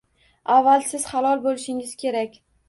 Avval siz halol bo'lishingiz kerak